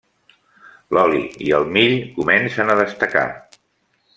L'oli i el mill comencen a destacar.